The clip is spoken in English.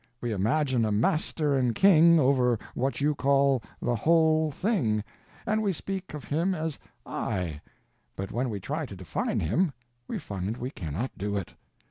We imagine a Master and King over what you call The Whole Thing, and we speak of him as "I," but when we try to define him we find we cannot do it.